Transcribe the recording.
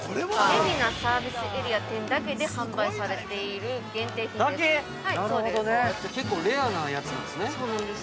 海老名サービスエリア店だけで販売されている限定品です。